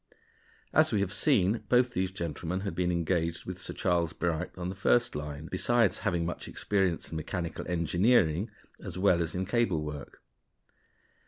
As we have seen, both these gentlemen had been engaged with Sir Charles Bright on the first line, besides having much experience in mechanical engineering as well as in cable work.